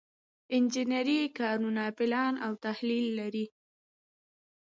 انجنري کارونه پلان او تحلیل لري.